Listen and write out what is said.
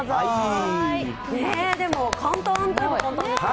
簡単といえば簡単ですよね。